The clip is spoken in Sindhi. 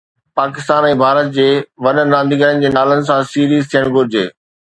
پاڪستان ۽ ڀارت جي وڏن رانديگرن جي نالن سان سيريز ٿيڻ گهرجي